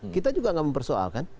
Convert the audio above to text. kita juga tidak mempersoalkan